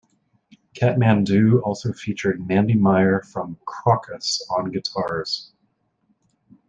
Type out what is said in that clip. Katmandu also featured Mandy Meyer from Krokus on guitars.